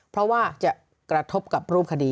เพราะว่าจะกระทบกับรูปคดี